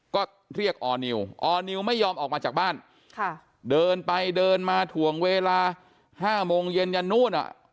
ก็เรียกออร์นิวออร์นิวไม่ยอมออกมาจากบ้านเดินไปเดินมาถ่วงเวลา๕โมงเย็นยันนู่นอ่ะ